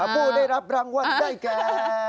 อับปู่ได้รับรางวัลได้แก